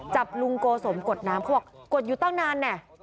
จับลุงโกสมกดน้ำเขาบอกกดอยู่ตั้งนานแน่